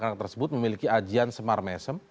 anak tersebut memiliki ajian semar mesem